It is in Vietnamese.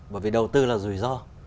bởi vì đầu tư là rủi ro